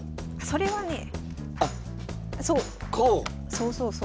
そうそうそう。